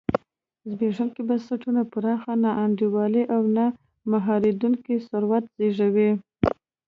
زبېښونکي بنسټونه پراخه نا انډولي او نه مهارېدونکی ثروت زېږوي.